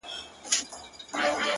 و ماته به د دې وطن د کاڼو ضرورت سي ـ